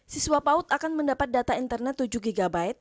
siswa paut akan mendapat data internet tujuh gb